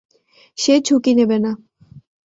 সে ঝুঁকি নেবে না।